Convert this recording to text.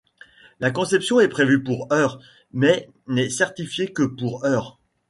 La conception est prévue pour heures, mais n'est certifiée que pour heures.